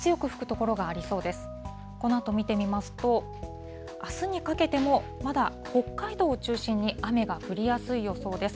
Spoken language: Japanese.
このあと見てみますと、あすにかけても、まだ北海道を中心に雨が降りやすい予想です。